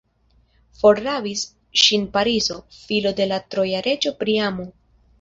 Forrabis ŝin Pariso, filo de la troja reĝo Priamo.